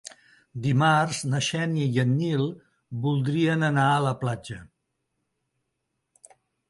Dimarts na Xènia i en Nil voldria anar a la platja.